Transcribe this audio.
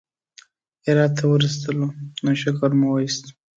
هرات ته ورسېدلو نو شکر مو وایست.